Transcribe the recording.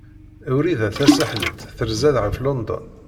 Wrida Tasaḥlit terza ɣef London.